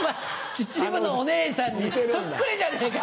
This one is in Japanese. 秩父のお姉さんにそっくりじゃねえか。